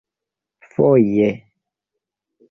"Foje."